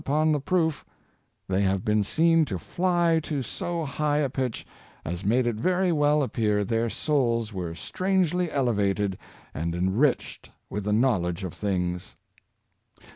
upon the proof, they have been seen to fly to so high a pitch, as made it very well appear their souls were strangely elevated and enriched with the knowledge of things."